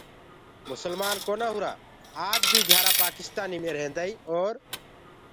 مسلمآن ڪونآ هُرآ آج بي گھيآرآ پآڪِستآني مي ريهنٚدآئينٚ اور